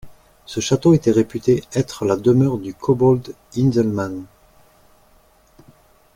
Ce château était réputé être la demeure du kobold Hinzelmann.